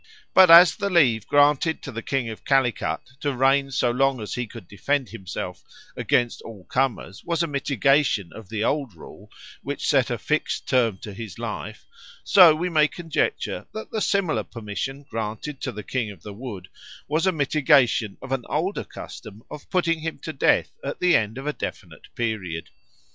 But as the leave granted to the King of Calicut to reign so long as he could defend himself against all comers was a mitigation of the old rule which set a fixed term to his life, so we may conjecture that the similar permission granted to the King of the Wood was a mitigation of an older custom of putting him to death at the end of a definite period.